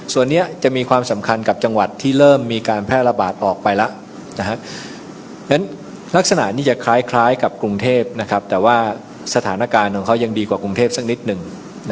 ส่วนนี้จะมีความสำคัญกับจังหวัดที่เริ่มมีการแพร่ระบาดออกไปแล้วฉะนั้นลักษณะนี้จะคล้ายกับกรุงเทพแต่ว่าสถานการณ์ของเขายังดีกว่ากรุงเทพสักนิดหนึ่ง